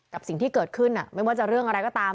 กับสิ่งที่เกิดขึ้นไม่ว่าจะเรื่องอะไรก็ตาม